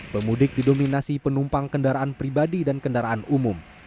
pemudik didominasi penumpang kendaraan pribadi dan kendaraan umum